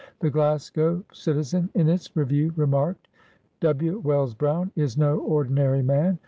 The Glasgow Citizen, in its review, remarked: — "W. Wells Brown is no ordinary man.